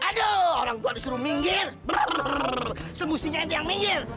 aduh orang tua disuruh minggir brrrr semuanya yang minggir